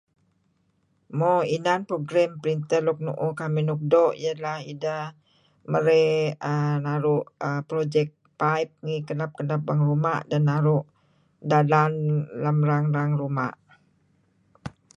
Mo inan program ideh nuk nuuh kamih luk doo' iah ineh idah marey uhm naru' project paip may kenap-kenap ruma', naru' dalan lam erang-arang ruma'.